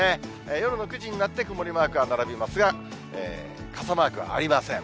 夜の９時になって、曇りマークが並びますが、傘マークはありません。